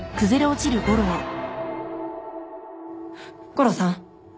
悟郎さん？